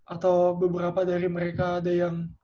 atau beberapa dari mereka ada yang